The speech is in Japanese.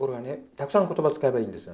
たくさん言葉使えばいいんです。